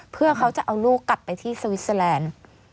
เพื่อเขาจะเอาลูกกลับไปที่สวิสเตอร์แลนด์